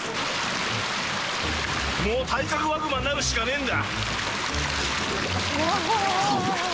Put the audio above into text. もうタイカクワグマになるしかねぇんだ。